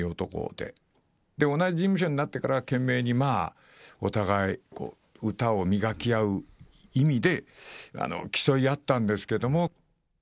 で、同じ事務所になってから、懸命にまあ、お互い歌を磨き合う意味で、競い合ったんですけども。